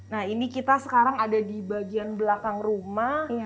nah ini kita sekarang ada di bagian belakang rumah